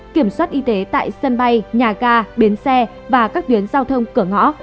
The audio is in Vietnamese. kiểm soát y tế tại sân bay nhà ca biến xe và các tuyến giao thông cửa ngõ